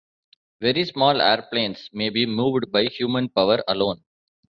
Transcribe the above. Very small airplanes may be moved by human power alone.